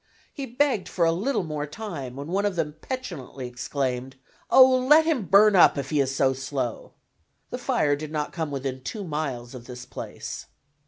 He begged for a little more time, when one of them petulantly exclaimed: "Oh! let him burn up if he is so slow!" The fire did not come within two miles of this place.